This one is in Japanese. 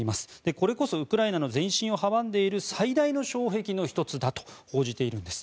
これこそウクライナ軍の前進を阻んでいる最大の障壁の１つだと報じているんです。